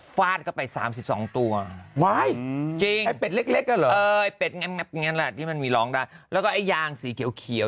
ฟาดเข้าไป๓๒ตัววายจริงไปเล็กแบบนี้มันมีร้องได้แล้วก็ยางสีเขียว